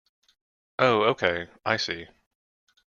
Oh okay, I see.